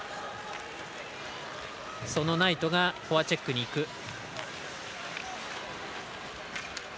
ナイトがフォアチェックにいく。